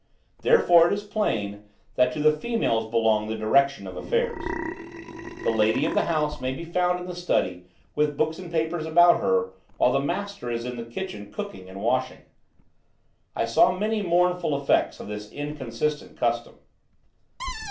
Therefore, it is plain, that to the females belongs the direction of affairs. The lady of the house may be found in the study with books and papers about her, while the master is in the kitchen cooking and washing. I saw many mournful effects of this inconsistent custom.